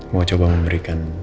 mau coba memberikan